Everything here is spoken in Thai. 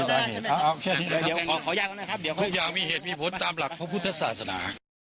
หลังเขาอย่างมีเหตุมีผลตามหลักเพราะพุทธศาสนา